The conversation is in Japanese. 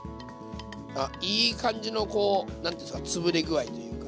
あっいい感じのこう何ていうんですかつぶれ具合というか。